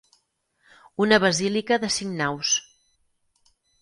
Una basílica de cinc naus.